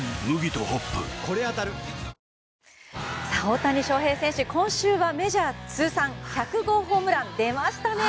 大谷翔平選手、今週はメジャー通算１００号ホームラン出ましたね。